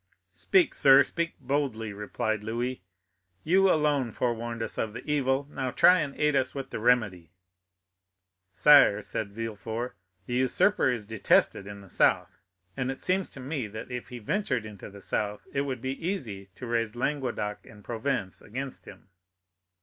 "Speak, sir, speak boldly," replied Louis. "You alone forewarned us of the evil; now try and aid us with the remedy." "Sire," said Villefort, "the usurper is detested in the south; and it seems to me that if he ventured into the south, it would be easy to raise Languedoc and Provence against him."